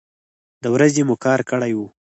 د ورځې مو کار کړی و.